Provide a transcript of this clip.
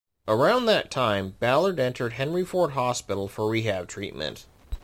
Around that time, Ballard entered Henry Ford Hospital for rehab treatment.